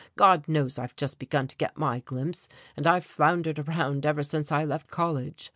God knows I've just begun to get my glimpse, and I've floundered around ever since I left college....